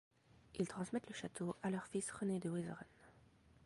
Ils transmettent le château à leur fils René de Wezeren.